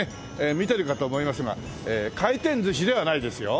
見てるかと思いますが回転寿司ではないですよ。